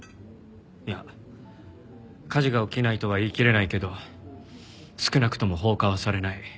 いや火事が起きないとは言い切れないけど少なくとも放火はされない。